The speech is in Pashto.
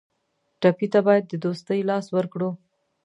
ټپي ته باید د دوستۍ لاس ورکړو.